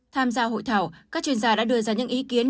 tham gia hội thảo các chuyên gia đã đưa ra những ý kiến